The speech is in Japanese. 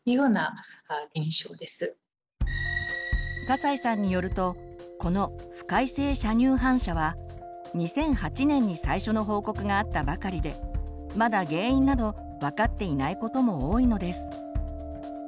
笠井さんによるとこの「不快性射乳反射」は２００８年に最初の報告があったばかりでまだ原因など分かっていないことも多いのです。